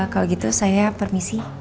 kalau gitu saya permisi